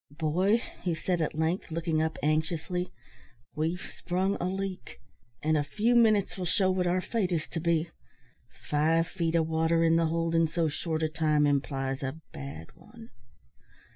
"Boy," he said, at length, looking up anxiously, "we've sprung a leak, and a few minutes will shew what our fate is to be. Five feet of water in the hold in so short a time implies a bad one."